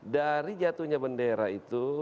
dari jatuhnya bendera itu